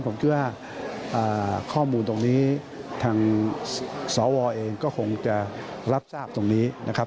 ผมเชื่อว่าข้อมูลตรงนี้ทางสวเองก็คงจะรับทราบตรงนี้นะครับ